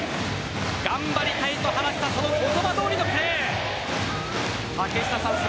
頑張りたいと話していた言葉どおりのプレー。